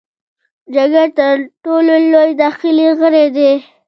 جګر تر ټولو لوی داخلي غړی دی.